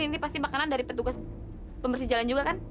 ini pasti makanan dari petugas pembersih jalan juga kan